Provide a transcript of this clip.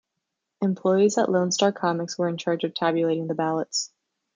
Employees at Lone Star Comics were in charge of tabulating the ballots.